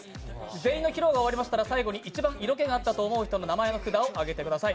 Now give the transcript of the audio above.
全員の披露が終わったら、最後に一番色気があったなと思う人の名前の札を上げてください。